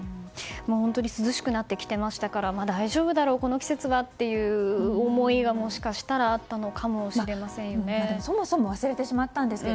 本当に涼しくなってきてましたから大丈夫だろう、この季節はという思いは、もしかしたらあったのかもしれませんよね。